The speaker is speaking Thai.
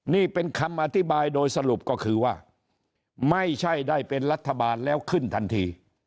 นี่เป็นคำอธิบายโดยสรุปก็คือว่าไม่ใช่ได้เป็นรัฐบาลแล้วขึ้นทันที